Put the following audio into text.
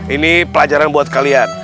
ini pelajaran buat kalian